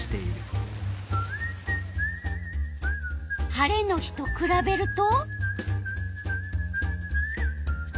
晴れの日とくらべると？